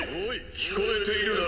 聞こえているだろう？